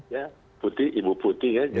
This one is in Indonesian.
ya ibu puti ya